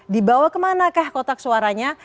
dibawa kemana kah kotak suaranya